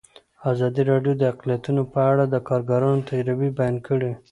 ازادي راډیو د اقلیتونه په اړه د کارګرانو تجربې بیان کړي.